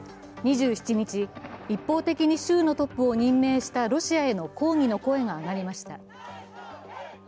２７日、一方的に州のトップを任命したロシアへの抗議の声が上がりました。